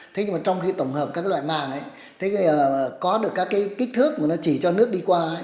thế nhưng mà trong khi tổng hợp các loại màng ấy có được các cái kích thước mà nó chỉ cho nước đi qua